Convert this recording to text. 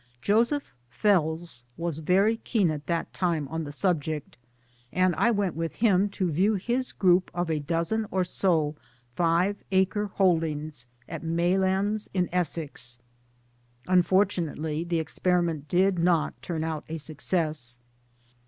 Joseph Fels was very keen at that time on the subject ; and I went with him to view his group of a dozen or so five acre holdings at May lands in Essex. Un fortunately the experiment did not turn out a success.